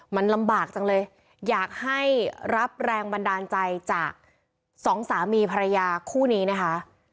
มันลำบากจังเลยอยากให้รับแรงบันดาลใจจากสองสามีภรรยาคู่นี้นะคะ